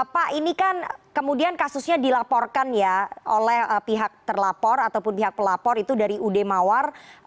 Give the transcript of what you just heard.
pak ini kan kemudian kasusnya dilaporkan ya oleh pihak terlapor ataupun pihak pelapor itu dari ud mawar